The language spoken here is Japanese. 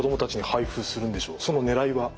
そのねらいは？